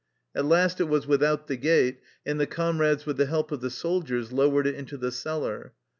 At last it was without the gate, and the comrades with the help of the soldiers lowered it into the cellar.